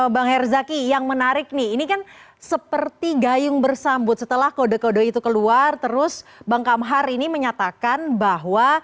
bang herzaki yang menarik nih ini kan seperti gayung bersambut setelah kode kode itu keluar terus bang kamhar ini menyatakan bahwa